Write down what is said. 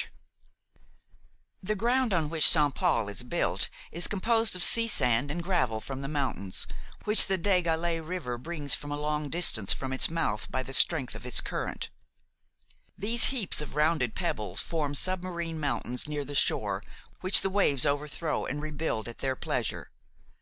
Barrie & Son The ground on which Saint Paul is built is composed of sea sand and gravel from the mountains, which the Des Galets river brings from a long distance from its mouth by the strength of its current. These heaps of rounded pebbles form submarine mountains near the shore which the waves overthrow and rebuild at their pleasure.